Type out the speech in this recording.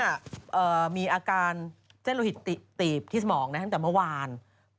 ถูกคลานออฟมีอาการเส้นหลวงหิตตีบที่สมองหยังตั้งแต่เมื่อวาน